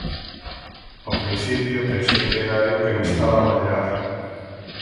Ao principio, pensei que era eu que me estaba a marear.